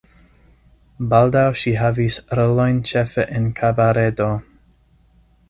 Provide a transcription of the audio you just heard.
Baldaŭ ŝi havis rolojn ĉefe en kabaredo.